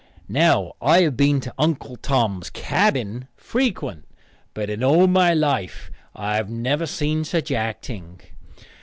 Now I have been to Uncle Tom's Cabin frequent, but in all my life I never see such acting.